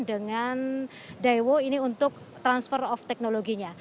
dari daiwo ini untuk transfer of teknologinya